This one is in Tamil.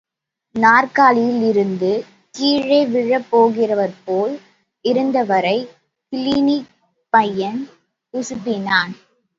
நாற்காலியில் இருந்து கீழே விழப் போகிறவர்போல் இருந்தவரைக் கிளினிக் பையன் உசுப்பினான்.